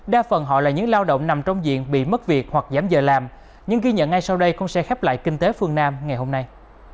đa phần họ là những lao động nằm trong diện bị mất việc hoặc giảm giờ làm những ghi nhận ngay sau đây cũng sẽ khép lại kinh tế phương nam ngày hôm nay